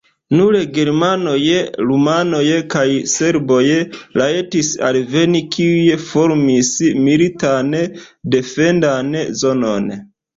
Nur germanoj, rumanoj kaj serboj rajtis alveni, kiuj formis militan defendan zonon.